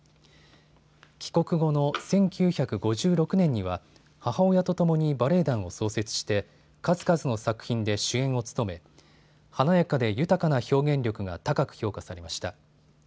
帰国後の１９５６年には母親とともにバレエ団を創設して数々の作品で主演を務め華やかで豊かな表現力が高く評価されました。